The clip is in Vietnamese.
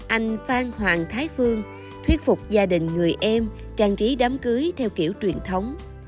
anh phan hoàng thái phương thuyết phục gia đình người em trang trí đám cưới theo kiểu truyền thống